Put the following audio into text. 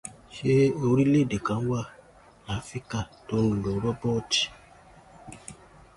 Ṣé orílẹ̀ èdè kan wà ní Áfíríkà tó ń lo rọ́bọ́ọ̀tì?